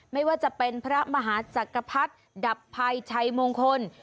ไม่ว่าจะเป็นพระมหาจักรพรรดับภัยชัยมงคล